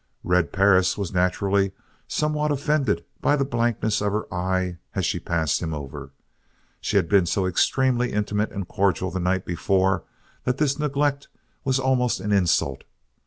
Red Perris was naturally somewhat offended by the blankness of her eye as she passed him over. She had been so extremely intimate and cordial the night before that this neglect was almost an insult.